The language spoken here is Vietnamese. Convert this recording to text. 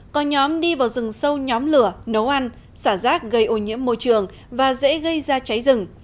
có nhóm đi vào rừng sâu nhóm lửa nấu ăn xả rác gây ô nhiễm môi trường và dễ gây ra cháy rừng